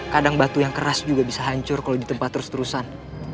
kadang batu yang keras juga bisa hancur kalau ditempat terus terusan